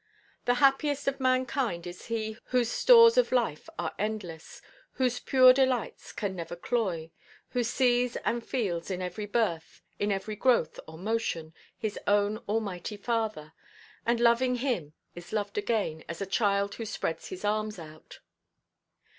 The happiest of mankind is he whose stores of life are endless, whose pure delights can never cloy, who sees and feels in every birth, in every growth or motion, his own Almighty Father; and loving Him is loved again, as a child who spreads his arms out.